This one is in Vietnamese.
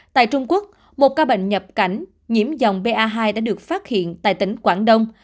tại trung quốc một ca bệnh nhập cảnh nhiễm dòng ba hai đã được phát hiện tại tỉnh quảng đông